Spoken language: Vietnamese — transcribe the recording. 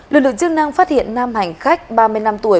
lực lượng chức năng phát hiện nam hành khách ba mươi năm tuổi